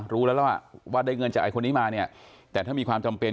รู้แล้วแล้วอ่ะว่าได้เงินจากไอคนนี้มาเนี่ยแต่ถ้ามีความจำเป็น